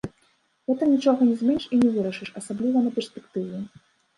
Гэтым нічога не зменіш і не вырашыш, асабліва на перспектыву.